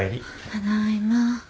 ただいま。